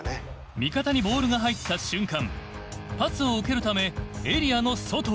味方にボールが入った瞬間パスを受けるためエリアの外へ。